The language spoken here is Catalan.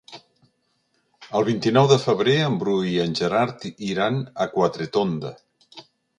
El vint-i-nou de febrer en Bru i en Gerard iran a Quatretonda.